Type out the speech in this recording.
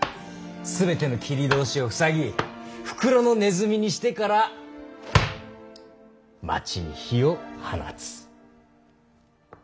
全ての切り通しを塞ぎ袋のネズミにしてから町に火を放つ。